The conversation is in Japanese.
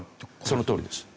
そのとおりです。